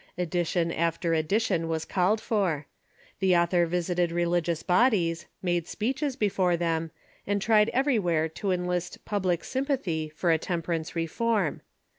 Edi tion after edition was called for. The author visited religious bodies, made speeches before them, and tried everywhere to enlist public sympathy for a temperance reform.